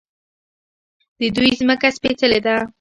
د دوی ځمکه سپیڅلې ده.